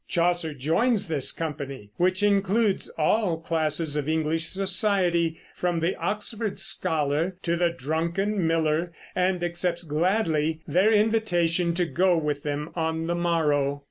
Chaucer joins this company, which includes all classes of English society, from the Oxford scholar to the drunken miller, and accepts gladly their invitation to go with them on the morrow.